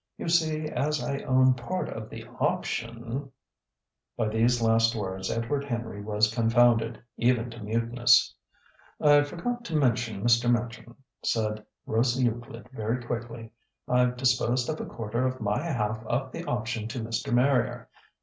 You see, as I own part of the option " By these last words Edward Henry was confounded, even to muteness. "I forgot to mention, Mr. Machin," said Rose Euclid very quickly. "I've disposed of a quarter of my half of the option to Mr. Marrier.